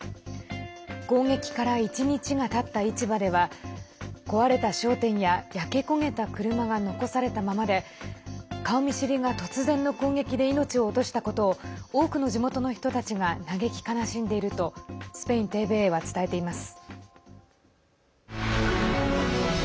攻撃から１日たった市場では壊れた商店や焼け焦げた車が残されたままで顔見知りが突然の攻撃で命を落としたことを多くの地元の人たちが嘆き悲しんでいるとスペインＴＶＥは伝えています。